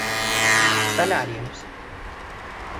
¿Salarios?